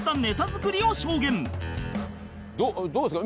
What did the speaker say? どうですか？